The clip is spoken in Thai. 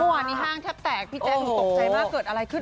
หัวอันนี้ห้างแทบแตกพี่แจ๊งหนูตกใจมากเกิดอะไรขึ้นอ๋อ